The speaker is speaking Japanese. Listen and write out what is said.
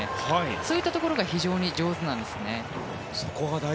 そういったところが非常に上手なんですね。